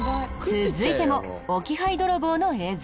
続いても置き配泥棒の映像。